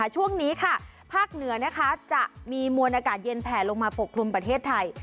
ช่วงนี้ค่ะภาคเหนือนะคะจะมีมวลอากาศเย็นแผ่ลงมาปกคลุมประเทศไทย